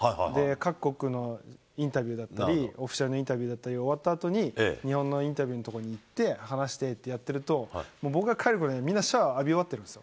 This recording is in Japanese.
各国のインタビューだったり、オフィシャルのインタビューだったりが、終わったあとに、日本のインタビューの所に行って話してってやってると、僕が帰るころには、みんな、シャワー浴び終わってるんですよ。